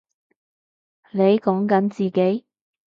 你講緊自己？